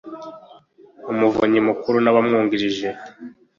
Umuvunyi Mukuru n’Abamwungirije